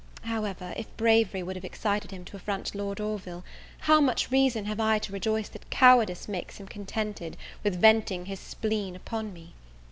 However, if bravery would have excited him to affront Lord Orville, how much reason have I to rejoice that cowardice makes him contended with venting his spleen upon me!